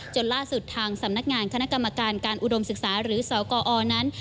จนล่าสุดทางสำนักงานคณะกรรมการการอุดมศึกษาหรือสกอนั้น